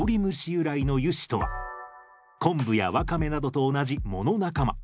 由来の油脂とはコンブやワカメなどと同じ藻の仲間